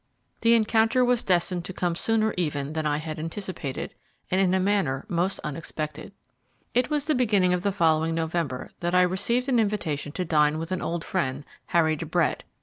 The encounter was destined to come sooner even than I had anticipated, and in a manner most unexpected. It was the beginning of the following November that I received an invitation to dine with an old friend, Harry de Brett.